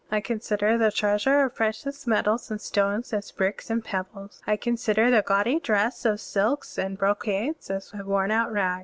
I consider the treasure of precious metals and stones as bricks and pebbles. I consider the gaudy dress of silks and brocades as a worn out rag.